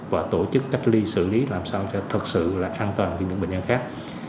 và tổ chức cách ly xử lý làm sao cho thật sự là an toàn cho những bệnh nhân khác